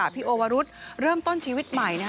พี่โอวรุษเริ่มต้นชีวิตใหม่